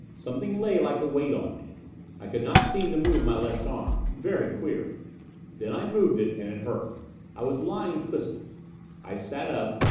Something lay like a weight on me. I could not seem to move my left arm. Very queer! Then I moved it, and it hurt. I was lying twisted: I sat up.